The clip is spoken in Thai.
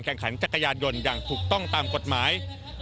ขันจักรยานยนต์อย่างถูกต้องตามกฎหมาย